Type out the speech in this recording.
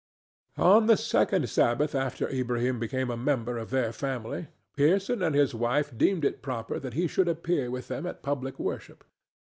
On the second Sabbath after Ilbrahim became a member of their family, Pearson and his wife deemed it proper that he should appear with them at public worship.